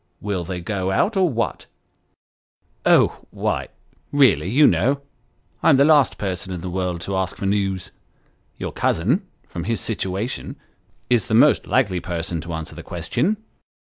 Will they go out, or what ?"" Oh why really, you know, I'm the last person in the world to ask for news. Your cousin, from his situation, is the most likely person to answer the question."